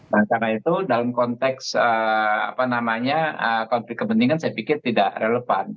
karena itu dalam konteks konflik kepentingan saya pikir tidak relevan